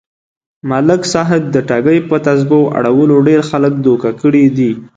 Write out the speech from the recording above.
ملک صاحب د ټگۍ يه تسبو اړولو ډېر خلک دوکه کړي دي.